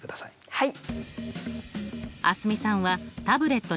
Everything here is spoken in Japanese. はい。